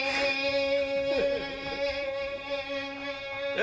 え。